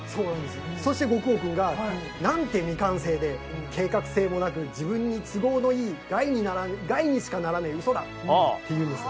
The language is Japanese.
そしてゴクオーくんが「なんて未完成で計画性もなく自分に都合のいい害にしかならねェウソだ」って言うんですよ。